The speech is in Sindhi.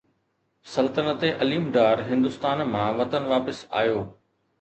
سلطنت عليم ڊار هندستان مان وطن واپس آيو